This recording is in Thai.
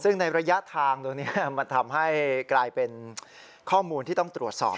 ซึ่งในระยะทางตรงนี้มันทำให้กลายเป็นข้อมูลที่ต้องตรวจสอบ